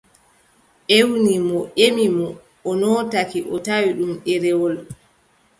Ƴewni mo ƴewni mo, o nootaaki, o tawi ɗum ɗereewol.